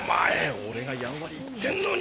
俺がやんわり言ってんのに！